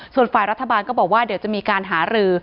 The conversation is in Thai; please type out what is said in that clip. ส่วนฝ่ายรัฐบาลก็บอกว่าเดี๋ยวจะมีการหารือ